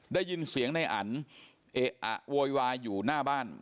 ได้ยินเสียงในอันเอะอะโวยวายอยู่หน้าบ้าน